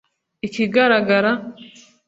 Ikigaragara